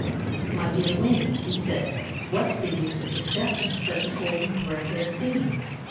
"My dear Winnie," he said, "what's the use of discussing such an old and threadbare theme?